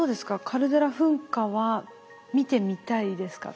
カルデラ噴火は見てみたいですか？